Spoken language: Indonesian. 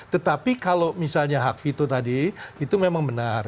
tetapi kalau misalnya hak vito tadi itu memang benar